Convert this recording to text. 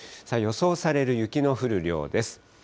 予想される雪の降る量です。